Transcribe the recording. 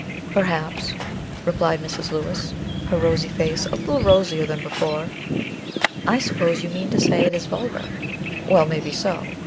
"Perhaps," replied Mrs. Lewis, her rosy face a little rosier than before. "I suppose you mean to say it is vulgar; well, maybe so.